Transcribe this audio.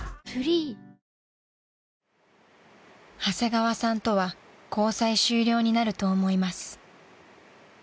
［「長谷川さんとは交際終了になると思います」］